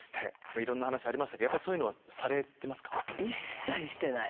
いろんな話ありましたけどそういうのはされてますか？